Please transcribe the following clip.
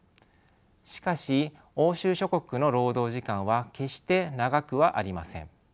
しかし欧州諸国の労働時間は決して長くはありません。